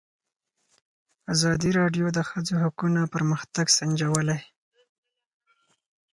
ازادي راډیو د د ښځو حقونه پرمختګ سنجولی.